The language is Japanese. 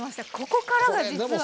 ここからが実は。